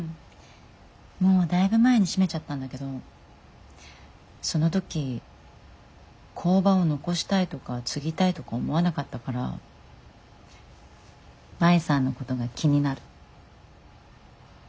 もうだいぶ前に閉めちゃったんだけどその時工場を残したいとか継ぎたいとか思わなかったから舞さんのことが気になる。